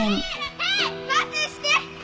パスして！